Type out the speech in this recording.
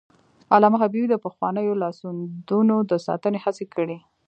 علامه حبيبي د پخوانیو لاسوندونو د ساتنې هڅې کړي.